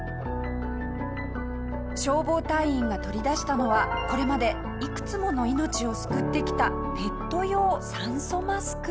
消防隊員が取り出したのはこれまでいくつもの命を救ってきたペット用酸素マスク。